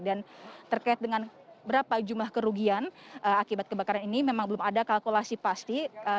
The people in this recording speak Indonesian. dan terkait dengan berapa jumlah kerugian akibat kebakaran ini memang belum ada kalkulasi pasti